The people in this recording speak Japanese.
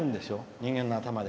人間の頭で。